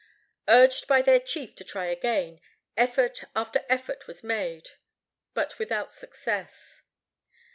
Urged by their chief to try again, effort after effort was made, but without success.